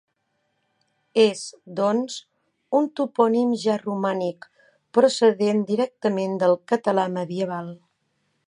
És, doncs, un topònim ja romànic, procedent directament del català medieval.